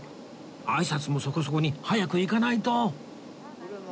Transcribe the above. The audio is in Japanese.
あいさつもそこそこに早く行かないと！